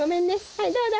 はいどうぞ！